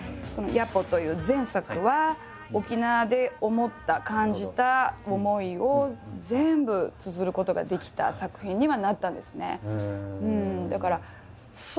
「ＪａＰｏ」という前作は沖縄で思った感じた思いを全部つづることができた作品にはなったんですね。